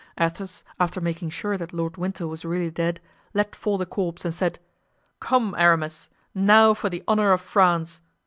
Athos, after making sure that Lord Winter was really dead, let fall the corpse and said: "Come, Aramis, now for the honor of France!"